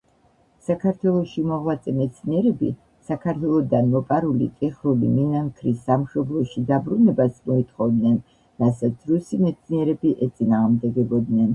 საქართველოში მოღვაწე მეცნიერები საქართველოდან მოპარული ტიხრული მინანქრის სამშობლოში დაბრუნებას მოითხოვდნენ, რასაც რუსი მეცნიერები ეწინააღმდეგებოდნენ.